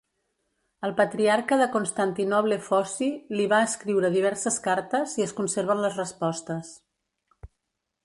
El patriarca de Constantinoble Foci, li va escriure diverses cartes i es conserven les respostes.